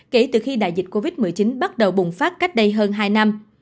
kể từ khi đại dịch covid một mươi chín bắt đầu bùng phát cách đây hơn hai năm